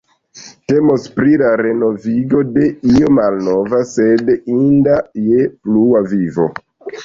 Temos pri la renovigo de io malnova, sed inda je plua vivo.